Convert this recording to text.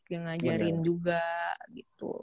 yang ngajarin juga gitu